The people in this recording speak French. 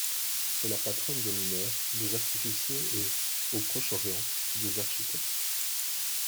C'est la patronne des mineurs, des artificiers et, au Proche-Orient, des architectes.